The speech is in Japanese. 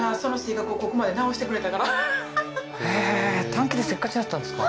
へえー短気でせっかちだったんですか？